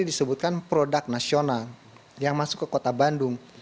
disebutkan produk nasional yang masuk ke kota bandung